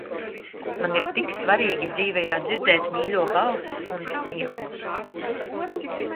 Man ir tik svarīgi dzīvajā dzirdēt mīļo balsis un smieklus.